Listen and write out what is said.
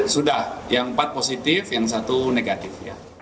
sudah yang empat positif yang satu negatif